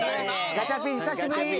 ガチャピン久しぶり。